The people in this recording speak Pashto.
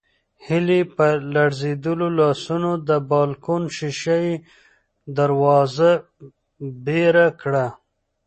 هیلې په لړزېدلو لاسونو د بالکن شیشه یي دروازه بېره کړه.